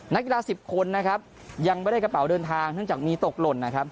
นักกีฬาสิบคนนะครับยังไม่ได้กระเป๋าเดินทางเนื่องจากมีตกหล่นนะครับ